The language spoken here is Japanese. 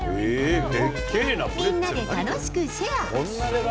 みんなで楽しくシェア。